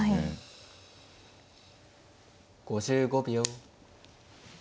５５秒。